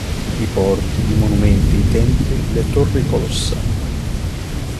I porti, i monumenti, i templi, le torri colossali.